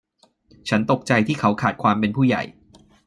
ฉันตกใจที่เขาขาดความเป็นผู้ใหญ่